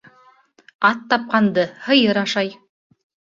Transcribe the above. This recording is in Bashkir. Ат тапҡанды һыйыр ашай.